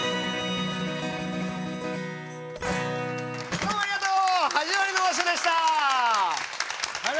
どうもありがとう！